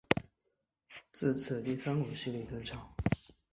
自此第三股势力登场。